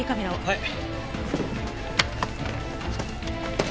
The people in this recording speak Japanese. はい。